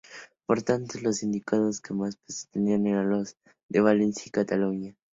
Por tanto los sindicatos que más peso tenían eran los de Valencia y Cataluña.